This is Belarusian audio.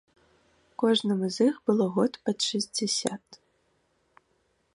Кожнаму з іх было год пад шэсцьдзесят.